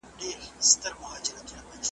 چي په سترګو ورته ګورم په پوهېږم .